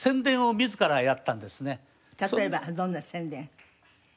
例えばどんな宣伝？